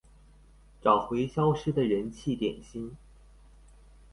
找回消失的人氣點心